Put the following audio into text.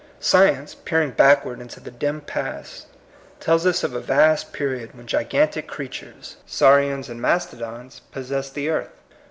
Science, peering backward into the dim past, tells us of a vast period when gigantic creatures, sauri ans and mastodons, possessed the earth.